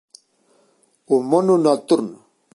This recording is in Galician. O Mono Nocturno.